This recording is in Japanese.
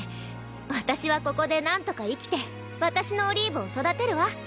私はここでなんとか生きて私のオリーブを育てるわ。